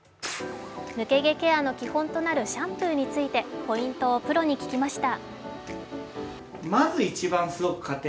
抜け毛ケアの基本となるシャンプーについてポイントをプロに聞きました。